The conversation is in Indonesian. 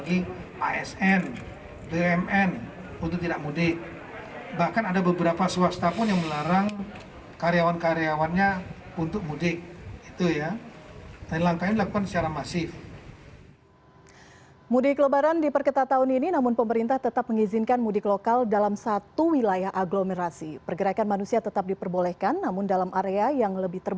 ini mereka kita berikan kampanye kampanye penjelasan penjelasan